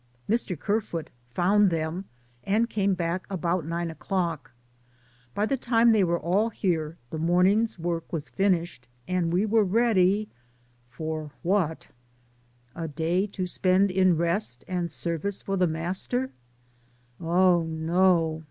Mr. Kerfoot found them, and came back about nine o'clock. By the time they were all here the morning's work was finished and we were ready — for what ? A day to spend in rest and service for the Master ? Oh, no.